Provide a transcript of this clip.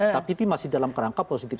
tapi itu masih dalam kerangka positif